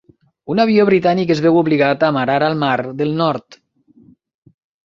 Un avió britànic es veu obligat a amarar al mar del Nord.